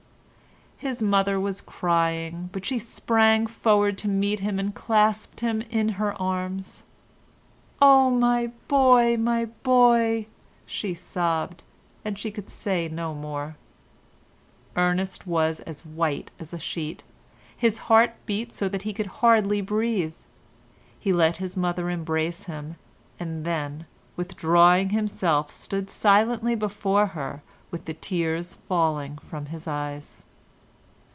His mother was crying, but she sprang forward to meet him and clasped him in her arms. "Oh, my boy, my boy," she sobbed, and she could say no more. Ernest was as white as a sheet. His heart beat so that he could hardly breathe. He let his mother embrace him, and then withdrawing himself stood silently before her with the tears falling from his eyes.